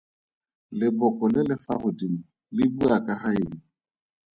Leboko le le fa godimo le bua ka ga eng?